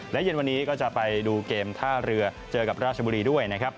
และเย็นวันนี้ก็จะไปดูเกมท่าเรือเจอกับราชบุรีด้วยนะครับ